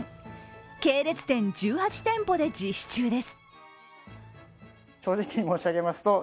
系列店１８店舗で実施中です。